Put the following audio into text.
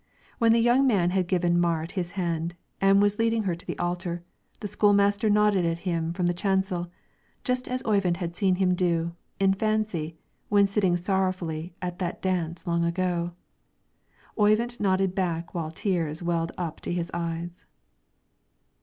When the young man had given Marit his hand, and was leading her to the altar, the school master nodded at him from the chancel, just as Oyvind had seen him do, in fancy, when sitting sorrowfully at that dance long ago. Oyvind nodded back while tears welled up to his eyes.